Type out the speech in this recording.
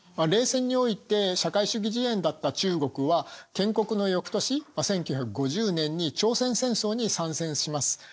冷戦において社会主義陣営だった中国は建国のよくとし１９５０年に朝鮮戦争に参戦します。